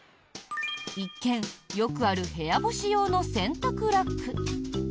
一見、よくある部屋干し用の洗濯ラック。